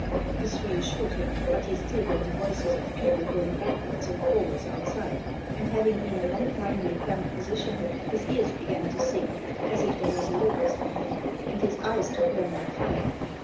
This reassured him, but he still heard the voices of people going backwards and forwards outside; and having been a long time in a cramped position, his ears began to sing as if there was a locust in them, and his eyes to burn like fire.